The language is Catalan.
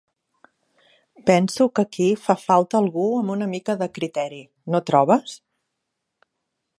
Penso que aquí fa falta algú amb una mica de criteri, no trobes?